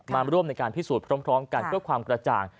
มาร่วมในการพิสูจน์พร้อมกันเพื่อความกระจ่าง